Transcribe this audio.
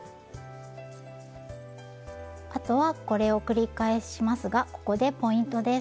あとはこれを繰り返しますがここでポイントです。